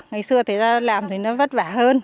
ngày xưa làm thì nó vất vả hơn